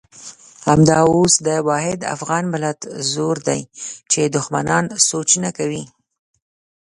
همدا اوس د واحد افغان ملت زور دی چې دښمنان سوچ نه کوي.